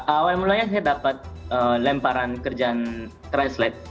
awal mulanya saya dapat lemparan kerjaan threslade